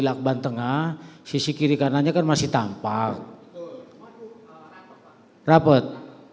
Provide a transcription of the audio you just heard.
lakban tengah sisi kiri kanannya kan masih tampak rapat